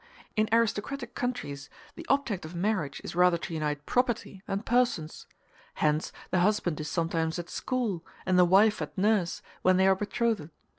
In aristocratic countries the object of marriage is rather to unite property than persons; hence the husband is sometimes at school and the wife at nurse when they are betrothed.